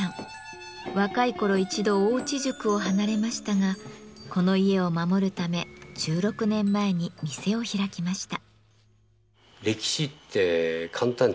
若い頃一度大内宿を離れましたがこの家を守るため１６年前に店を開きました。